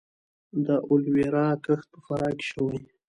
د الوویرا کښت په فراه کې شوی